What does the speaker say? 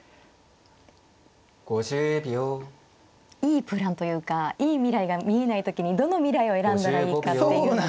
いいプランというかいい未来が見えない時にどの未来を選んだらいいかっていうのが。